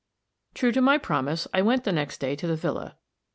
True to my promise, I went the next day to the villa.